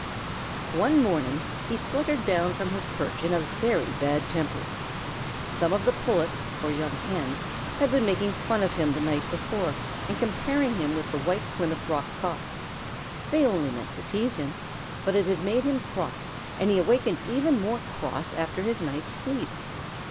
One morning he fluttered down from his perch in a very bad temper. Some of the Pullets, or young Hens, had been making fun of him the night before and comparing him with the White Plymouth Rock Cock. They meant only to tease him, but it had made him cross, and he awakened even more cross after his night's sleep.